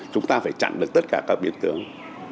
chúng ta phải chặn được tất cả các biến tướng